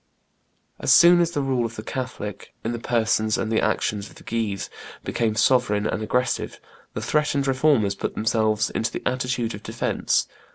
As soon as the rule of the Catholic, in the persons and by the actions of the Guises, became sovereign and aggressive, the threatened Reformers put themselves into the attitude of defence.